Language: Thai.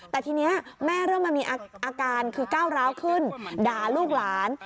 แต่ทีนี้แม่เริ่มมามีอาการคือก้าวร้าวขึ้นด่าลูกหลาน